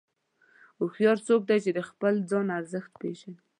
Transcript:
هوښیار څوک دی چې د خپل ځان ارزښت پېژني.